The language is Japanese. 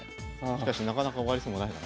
しかしなかなか終わりそうもないな。